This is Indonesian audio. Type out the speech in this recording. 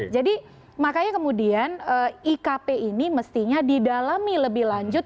jadi makanya kemudian ikp ini mestinya didalami lebih lanjut